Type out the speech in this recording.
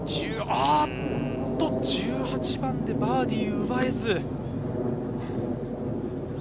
１８番でバーディー奪えず。